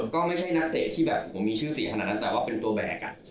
ก็ไม่ใช่ณเตะที่เหมาะมีชื่อเสียงเท่านั้นแต่ว่าเป็นตัวแบก